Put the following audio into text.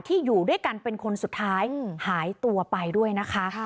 อยู่ด้วยกันเป็นคนสุดท้ายหายตัวไปด้วยนะคะ